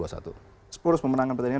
spurs memenangkan pertandingan